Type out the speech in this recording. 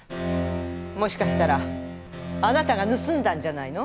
もしかしたらあなたがぬすんだんじゃないの？